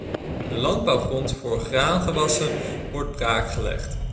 De landbouwgrond voor graangewassen wordt braakgelegd.